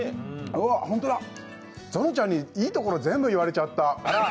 ホントだ、ゾノちゃんにいいとこ全部言われちゃった。